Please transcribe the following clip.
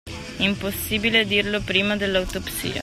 Impossibile dirlo prima dell’autopsia;